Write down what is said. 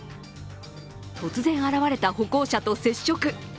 突然現れた歩行者と接触。